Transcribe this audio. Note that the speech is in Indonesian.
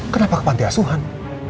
kenapa ke pantai asuhan